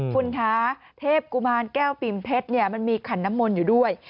ทิพัฐกุมานแก้วปิ่นเผ็ดมันมีขันน้ำมนต์อยู่ด้วย